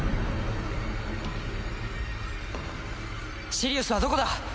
シリウスはどこだ？